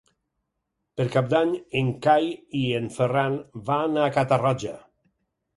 Per Cap d'Any en Cai i en Ferran van a Catarroja.